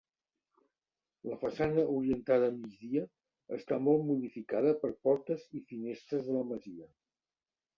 La façana orientada a migdia està molt modificada per portes i finestres de la masia.